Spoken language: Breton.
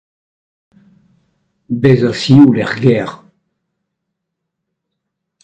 Bezañ sioul er gêr.